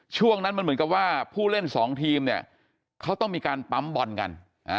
ช่วงนั้นมันเหมือนกับว่าผู้เล่นสองทีมเนี่ยเขาต้องมีการปั๊มบอลกัน